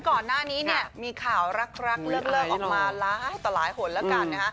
ก่อนหน้านี้มีข่าวรักเลือกออกมาลายถลายขนแล้วกัน